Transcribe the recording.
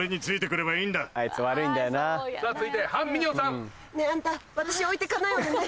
ねぇあんた私置いて行かないわよね？